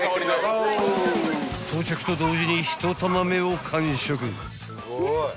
［到着と同時に１玉目を完食］